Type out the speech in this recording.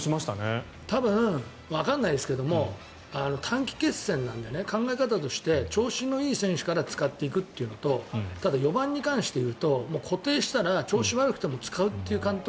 多分、わかんないですけど短期決戦なので考え方として調子のいい選手から使っていくというのとただ、４番に関して言うと固定したら、調子が悪くても使うっていう監督